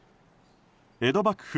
江戸幕府